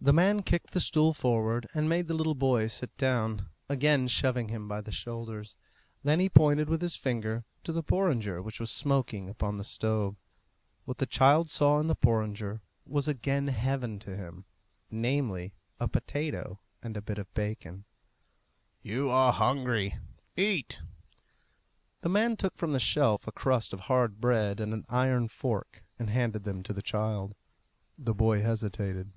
The man kicked the stool forward and made the little boy sit down, again shoving him by the shoulders; then he pointed with his finger to the porringer which was smoking upon the stove. What the child saw in the porringer was again heaven to him namely, a potato and a bit of bacon. "You are hungry; eat!" The man took from the shelf a crust of hard bread and an iron fork, and handed them to the child. The boy hesitated.